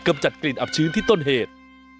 จัดกลิ่นอับชื้นที่ต้นเหตุ